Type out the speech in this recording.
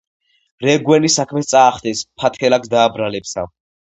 რეგვენი საქმეს წაახდენს, ფათერაკს დააბრალებსა